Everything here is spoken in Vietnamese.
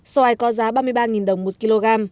xoài có giá ba mươi ba đồng một kg